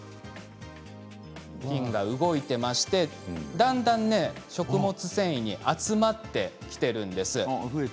菌が動いていましてだんだん食物繊維に集まってきているんです。